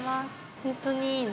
ホントにいいの？